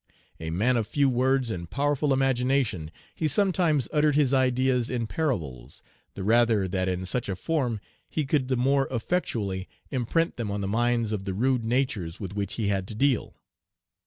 A man of few words and powerful imagination, he sometimes uttered his ideas in parables the rather that in such a form he could the more effectually imprint them on the minds of the rude natures with which Page 132 he had to deal.